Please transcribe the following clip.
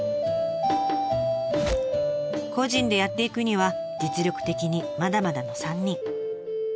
個人でやっていくには実力的にまだまだの３人。